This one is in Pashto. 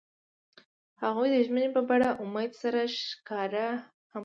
هغوی د ژمنې په بڼه امید سره ښکاره هم کړه.